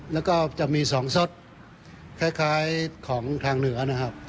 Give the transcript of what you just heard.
แล้วก็จะมี๒สดคล้ายของทางเหนือนะครับ